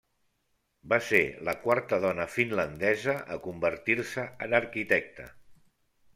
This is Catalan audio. Va ser la quarta dona finlandesa a convertir-se en arquitecta.